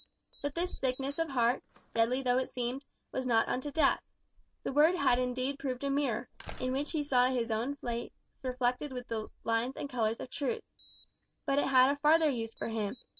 But this sickness of heart, deadly though it seemed, was not unto death. The Word had indeed proved a mirror, in which he saw his own face reflected with the lines and colours of truth. But it had a farther use for him.